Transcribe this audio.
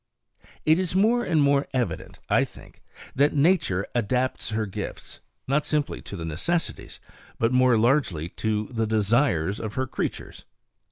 It is more and more evident, I think, that Nature adapts her gifts, not simply to the necessities, but more largely to the desires, of her creatures.